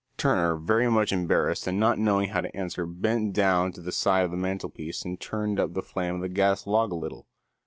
Turner, very much embarrassed, and not knowing how to answer, bent down to the side of the mantelpiece and turned up the flame of the gas log a little.